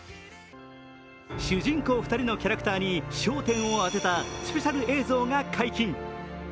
主人公２人のキャラクターに焦点を当てたスペシャル映像が解禁。